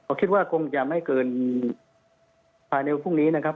ก็คิดว่าคงจะไม่เกินภายในพรุ่งนี้นะครับ